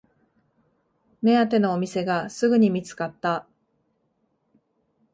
目当てのお店がすぐに見つかった